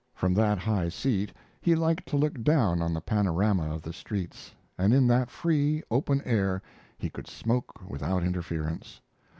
From that high seat he liked to look down on the panorama of the streets, and in that free, open air he could smoke without interference.